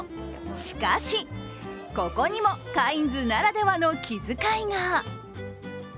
しかし、ここにもカインズならではの気遣いが。